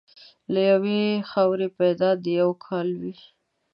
له یوې خاورې پیدا د یوه کاله وې.